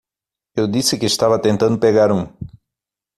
Eu disse que estava tentando pegar um.